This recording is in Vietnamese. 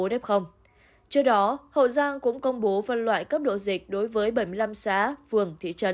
trước đó hậu giang cũng công bố phân loại cấp độ dịch đối với bảy mươi năm xã phường thị trấn